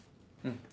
うん。